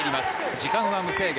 時間は無制限。